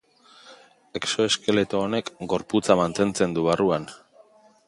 Exoeskeleto honek gorputza mantentzen du barruan.